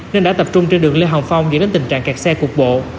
nên đã tập trung trên đường lê hồng phong để đến tình trạng cạt xe cuộc bộ